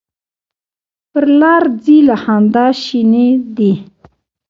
پر لار ځي له خندا شینې دي.